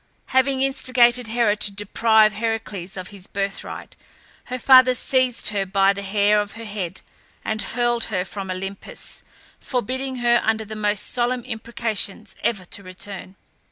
Having instigated Hera to deprive Heracles of his birthright, her father seized her by the hair of her head, and hurled her from Olympus, forbidding her, under the most solemn imprecations, ever to return.